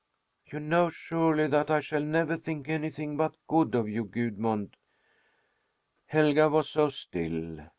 "You know, surely, that I shall never think anything but good of you, Gudmund." Helga was so still!